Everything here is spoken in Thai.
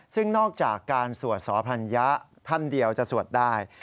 ซึ่งนอกจากการสวดสอพรรณยะท่านเดียวจะสวดได้